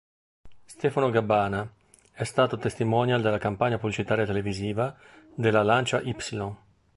Stefano Gabbana è stato testimonial della campagna pubblicitaria televisiva della Lancia Ypsilon.